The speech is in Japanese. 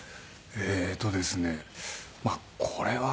えーっとですねこれは。